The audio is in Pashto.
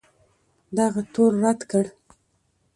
دغه تور رد کړ